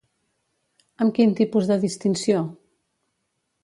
Amb quin tipus de distinció?